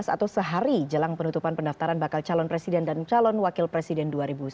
atau sehari jelang penutupan pendaftaran bakal calon presiden dan calon wakil presiden dua ribu sembilan belas